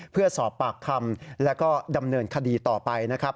เพื่อสอบปากคำแล้วก็ดำเนินคดีต่อไปนะครับ